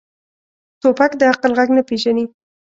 توپک د عقل غږ نه پېژني.